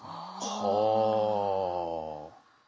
ほう。